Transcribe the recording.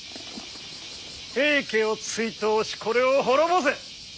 平家を追討しこれを滅ぼせ。